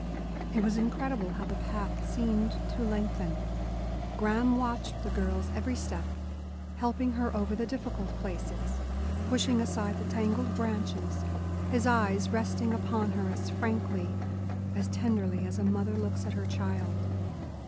It was incredible how the path seemed to lengthen. Graham watched the girl's every step, helping her over the difficult places, pushing aside the tangled branches, his eyes resting upon her as frankly, as tenderly as a mother looks at her child.